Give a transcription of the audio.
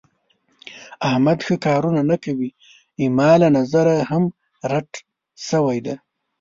احمد ښه کارونه نه کوي. زما له نظره هم رټ شوی دی.